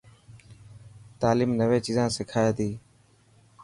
تعليم نوي چيزا سکائي تي.